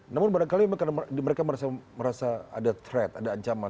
namun kadang kadang mereka merasa ada threat ada ancaman